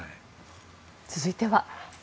続いては。